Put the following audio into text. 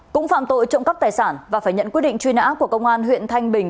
cũng phạm tội trộm cắp tài sản và phải nhận quyết định truy nã của công an huyện thanh bình